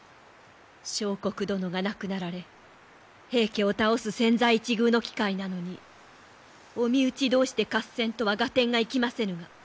相国殿が亡くなられ平家を倒す千載一遇の機会なのにお身内同士で合戦とは合点がいきませぬが？